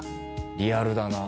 リアルだなぁ。